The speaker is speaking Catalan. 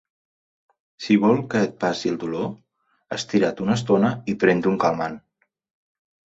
Si vol que et passi el dolor, estira't una estona i pren-te un calmant.